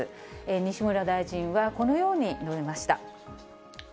西村大臣はこのように述べました。